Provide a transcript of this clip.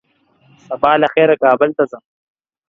سبا له خيره کابل ته ځم